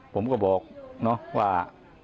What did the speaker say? ผมก็บอกว่า